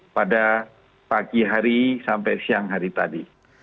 pada pagi hari sampai siang hari tadi